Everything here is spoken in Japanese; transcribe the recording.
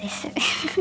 フフフ！